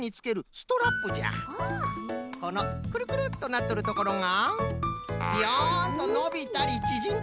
このクルクルッとなっとるところがビヨンとのびたりちぢんだりするんじゃよ。